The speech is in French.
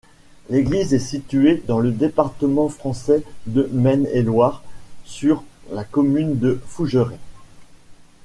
L'église est située dans le département français de Maine-et-Loire, sur la commune de Fougeré.